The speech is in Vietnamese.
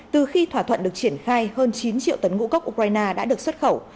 từ khi thỏa thuận được triển khai hơn chín triệu tấn ngũ cốc ukraine đã được xuất khẩu